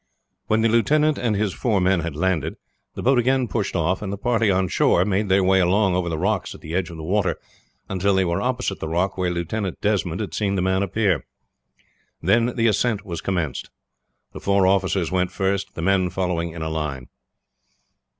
When the lieutenant and his four men had landed, the boat again pushed off, and the party on shore made their way along over the rocks at the edge of the water until they were opposite the rock where Lieutenant Desmond had seen the man appear. Then the ascent was commenced. The four officers went first, the men following in a line.